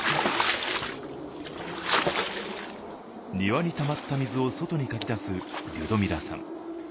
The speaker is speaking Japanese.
庭にたまった水を外にかき出すリュドミラさん。